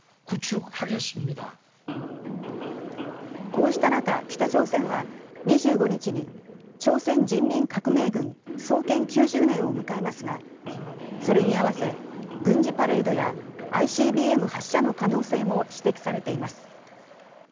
こうした中、北朝鮮は２５日に朝鮮人民革命軍創建９０年を迎えますがそれに合わせ、軍事パレードやＩＣＢＭ発射の可能性も指摘されています。